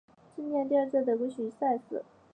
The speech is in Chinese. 这是历来第二次在德国举行赛事。